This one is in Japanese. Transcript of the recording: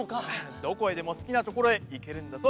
どこへでもすきなところへいけるんだぞ